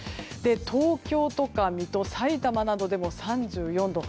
東京とか水戸埼玉などでも３４度。